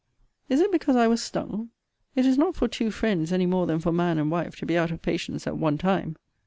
Is it because I was stung? It is not for two friends, any more than for man and wife, to be out of patience at one time.